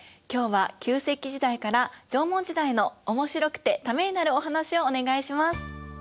今日は旧石器時代から縄文時代のおもしろくてためになるお話をお願いします。